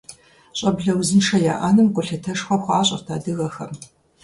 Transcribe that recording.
ЩӀэблэ узыншэ яӀэным гулъытэшхуэ хуащӀырт адыгэхэм.